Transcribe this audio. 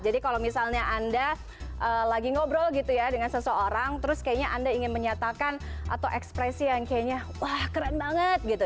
jadi kalau misalnya anda lagi ngobrol gitu ya dengan seseorang terus kayaknya anda ingin menyatakan atau ekspresi yang kayaknya wah keren banget gitu